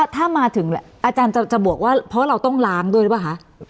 ถ้ามาถึงอาจารย์จะบวกว่าเพราะเราต้องล้างด้วยหรือเปล่าคะ